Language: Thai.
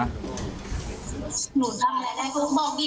หนูทำอะไรนะ